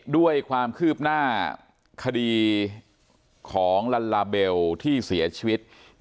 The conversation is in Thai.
ด้วยความคืบหน้าคดีของลัลลาเบลที่เสียชีวิต